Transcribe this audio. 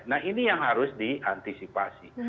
nah ini yang harus diantisipasi